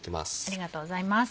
ありがとうございます。